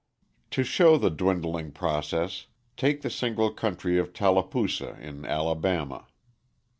To show the dwindling process, take the single country of Tallapoosa in Alabama.